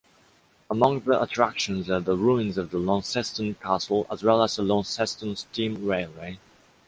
Among the attractions are the ruins of the Launceston Castle as well as the Launceston Steam Railway.